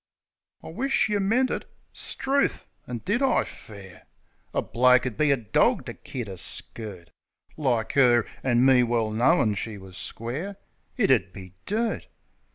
"I wish't yeh meant it." 'Struth! And did I, fair? A bloke 'ud be a dawg to kid a skirt Like 'er. An' me well knowin' she was square. It 'ud be dirt!